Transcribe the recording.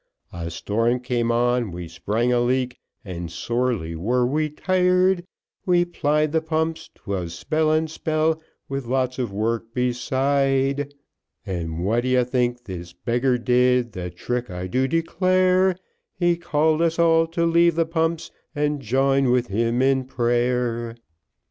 A storm came on, we sprung a leak, and sorely were we tired, We plied the pumps, 'twas spell and spell, with lots of work beside; And what d'ye think this beggar did, the trick I do declare, He called us all to leave the pumps and join with him in prayer.